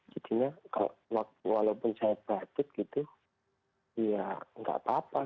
jadinya walaupun saya batuk gitu ya nggak apa apa